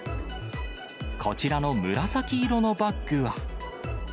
こちらの紫色のバッグは。